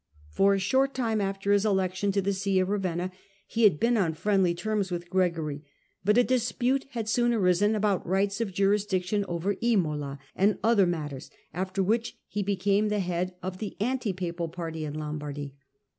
For a short time after his elevation to the see of Ravenna he had been on friendly terms with Gregory, but a dispute had soon arisen about rights of jurisdiction over Imola, and other matters, after which he became^ the head of the anti papal party in Lombardy.